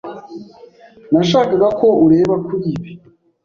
Nashakaga ko ureba kuri ibi.